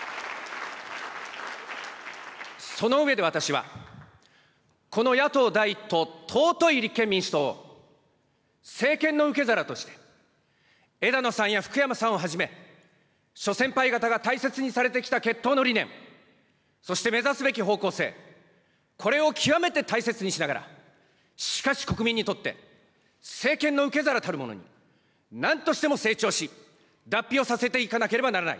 その上で私は、この野党第１党、尊い立憲民主党、政権の受け皿として、枝野さんや福山さんをはじめ、諸先輩方が大切にされてきた結党の理念、そして目指すべき方向性、これを極めて大切にしながら、しかし国民にとって、政権の受け皿たるものに、なんとしても成長し、脱皮をさせていかなければならない。